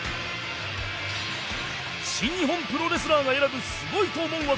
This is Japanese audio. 新日本プロレスラーが選ぶすごいと思う技